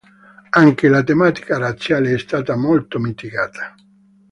Anche la tematica razziale è stata molto mitigata.